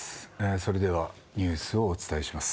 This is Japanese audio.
それではニュースをお伝えします。